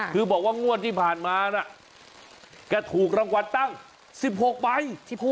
คือบอกว่างวดที่ผ่านมานะแกถูกรางวัลตั้ง๑๖ใบ